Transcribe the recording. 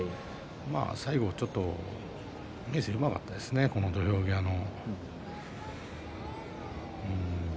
最後ちょっと明生うまかったですね、土俵際の。